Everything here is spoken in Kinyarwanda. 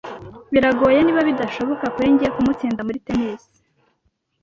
Biragoye, niba bidashoboka, kuri njye kumutsinda muri tennis